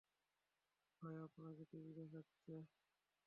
ভাই, আপনাকে টিভিতে দেখাচ্ছে।